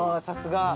さすが。